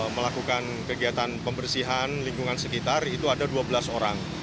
melakukan kegiatan pembersihan lingkungan sekitar itu ada dua belas orang